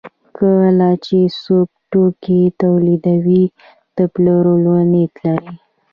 کله چې څوک توکي تولیدوي د پلورلو نیت لري.